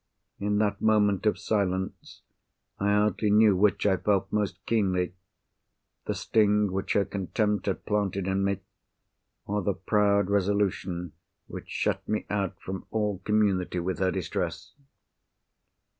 In that moment of silence, I hardly know which I felt most keenly—the sting which her contempt had planted in me, or the proud resolution which shut me out from all community with her distress.